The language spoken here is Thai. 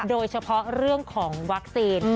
โดยเฉพาะเรื่องของวัคซีน